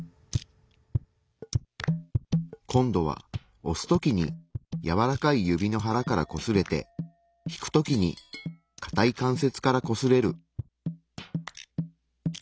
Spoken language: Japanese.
今度は押すときにやわらかい指の腹からこすれて引くときにかたい関節からこすれる。